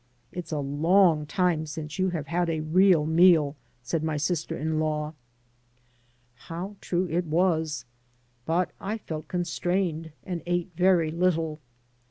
"It*s a long time since you have had a real meal," said my sister in law. How true AN AMERICAN IN THE MAKING it was! But I felt constrained, and ate very little.